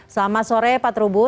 selamat sore pak trubus